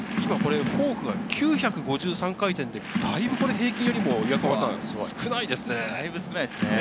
フォークが９５３回転で平均よりもだいぶ少ないですね。